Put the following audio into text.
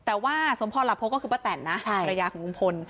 แต่ว่าสมพรหลับโพลก็คือป้าแตนนะระยะของคุณผล